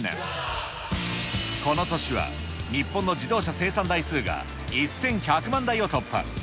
この年は、日本の自動車生産台数が１１００万台を突破。